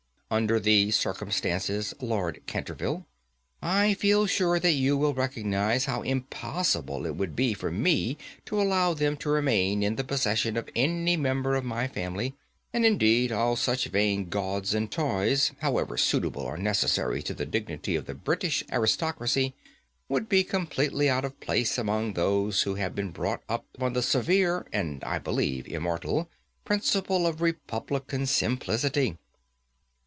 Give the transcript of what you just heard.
Under these circumstances, Lord Canterville, I feel sure that you will recognize how impossible it would be for me to allow them to remain in the possession of any member of my family; and, indeed, all such vain gauds and toys, however suitable or necessary to the dignity of the British aristocracy, would be completely out of place among those who have been brought up on the severe, and I believe immortal, principles of Republican simplicity.